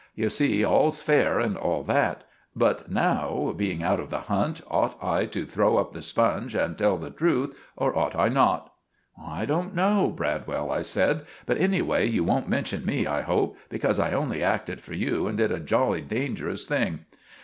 You see 'all's fair' and all that; but now, being out of the hunt, ought I to throw up the sponge and tell the truth, or ought I not?" "I don't know, Bradwell," I said; "but anyway you won't mention me, I hope, because I only acted for you, and did a jolly dangerous thing."